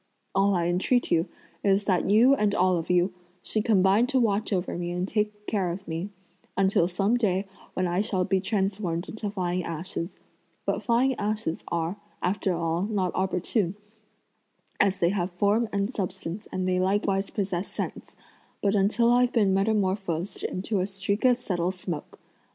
All I entreat you is that you and all of you should combine to watch over me and take care of me, until some day when I shall be transformed into flying ashes; but flying ashes are, after all, not opportune, as they have form and substance and they likewise possess sense, but until I've been metamorphosed into a streak of subtle smoke.